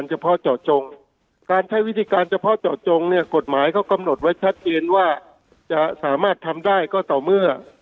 เฉพาะเจาะจงเนี่ยกฎหมายเขากำหนดไว้ชัดเจนว่าจะสามารถทำได้ก็ต่อเมื่อ